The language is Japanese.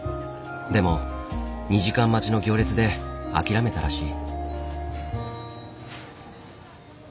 でも２時間待ちの行列で諦めたらしい。